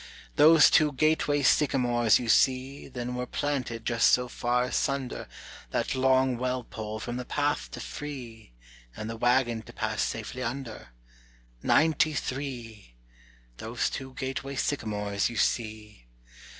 "Those two gateway sycamores you see Then were planted just so far asunder That long well pole from the path to free, And the wagon to pass safely under; Ninety three! Those two gateway sycamores you see.